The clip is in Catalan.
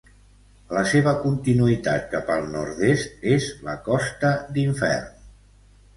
La seva continuïtat cap al nord-est és la Costa d'Infern.